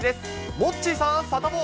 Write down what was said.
モッチーさん、サタボー。